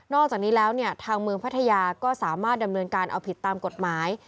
อกจากนี้แล้วเนี่ยทางเมืองพัทยาก็สามารถดำเนินการเอาผิดตามกฎหมาย